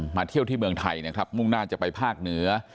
เที่ยวที่เมืองไทยนะครับมุ่งหน้าจะไปภาคเหนือ